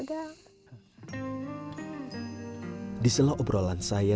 biar dia tetap di depan saya